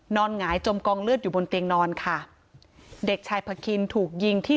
หงายจมกองเลือดอยู่บนเตียงนอนค่ะเด็กชายพะคินถูกยิงที่